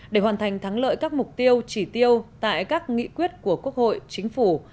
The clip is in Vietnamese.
để hoàn thành thắng lợi các mục tiêu chỉ tiêu tại các nghị quyết của quốc hội chính phủ